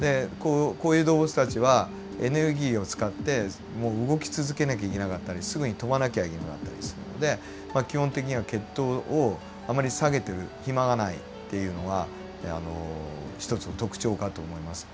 こういう動物たちはエネルギーを使って動き続けなきゃいけなかったりすぐに飛ばなきゃいけなかったりするので基本的には血糖をあまり下げている暇がないっていうのが一つの特徴かと思います。